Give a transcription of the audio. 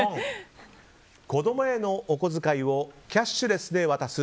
子供へのお小遣いをキャッシュレスで渡す。